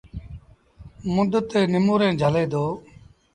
مند تي نموريٚݩ جھلي دو۔